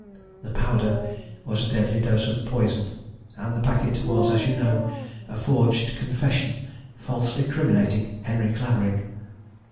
The powder was a deadly dose of poison and the packet was, as you know, a forged confession falsely criminating Henry Clavering.